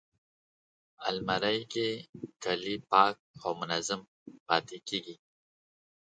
الماري کې کالي پاک او منظم پاتې کېږي